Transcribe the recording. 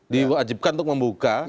diwajibkan untuk membuka